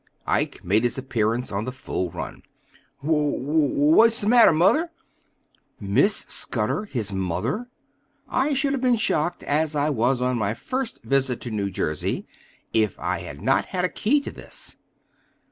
Ike made his appearance on the full run. "W w what's the matter, mother?" Miss Scudder his mother! I should have been shocked, as I was on my first visit to New Jersey, if I had not had a key to this.